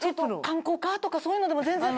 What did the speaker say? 観光課とかそういうのでも全然。